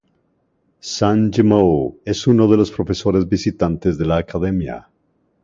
Zhang Yimou es uno de los profesores visitantes de la academia.